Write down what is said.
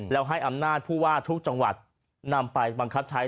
แล้วให้อำนาจผู้ว่าทุกจังหวัดนำไปบังคับใช้